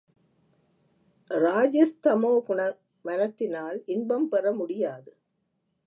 ராஜஸ்தமோ குண மனத்தினால் இன்பம் பெற முடியாது.